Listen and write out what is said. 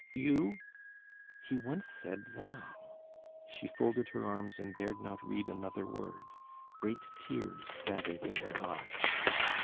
You "He once said 'thou.'" She folded her arms and dared not read another word; great tears gathered in her eyes.